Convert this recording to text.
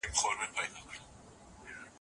تفسیر او شننه د بصیرت لرونکو کسانو کار دئ.